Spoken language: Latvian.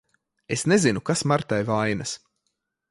Es nezinu, kas Martai vainas.